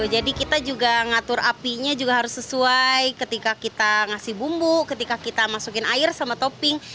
jadi kita juga ngatur apinya juga harus sesuai ketika kita ngasih bumbu ketika kita masukin air sama topping